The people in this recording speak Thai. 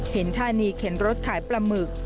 เห็นท่านี้เข็นรถขายปลาหมึก